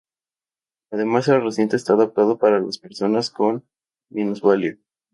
Además el recinto está adaptado para las personas con minusvalía.